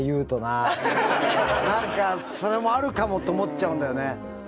なんかそれもあるかもって思っちゃうんだよね。